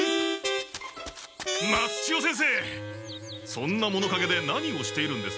そんなものかげで何をしているんですか？